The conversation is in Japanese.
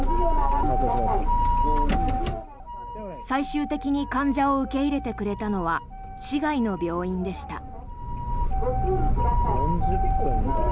最終的に患者を受け入れてくれたのは市外の病院でした。